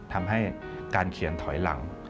ทำให้การเขียนถอยหลัง